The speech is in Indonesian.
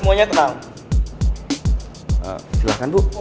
hukuman kamu belum selesai iya pak